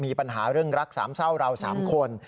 มีปัญหาเรื่องรักสามเศร้าเรา๓คน